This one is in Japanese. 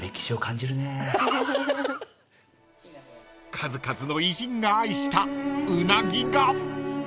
［数々の偉人が愛したうなぎが］